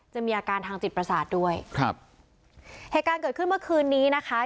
มีอาการทางจิตประสาทด้วยครับเหตุการณ์เกิดขึ้นเมื่อคืนนี้นะคะ